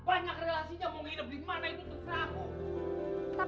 banyak relasinya mau hidup dimana itu tuker aku